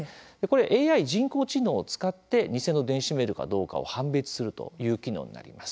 ＡＩ・人工知能を使って偽の電子メールかどうかを判別するという機能になります。